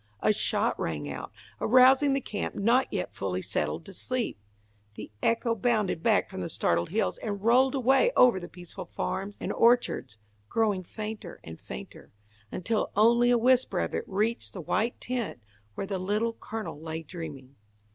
A shot rang out, arousing the camp not yet fully settled to sleep. The echo bounded back from the startled hills, and rolled away over the peaceful farms and orchards, growing fainter and fainter, until only a whisper of it reached the white tent where the Little Colonel lay dreaming.